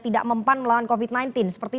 tidak mempan melawan covid sembilan belas seperti